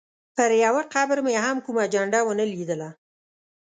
پر یوه قبر مې هم کومه جنډه ونه لیدله.